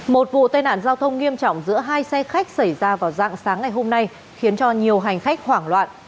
một vụ tai nạn giao thông nghiêm trọng giữa hai xe khách xảy ra vào dạng sáng ngày hôm nay khiến cho nhiều hành khách hoảng loạn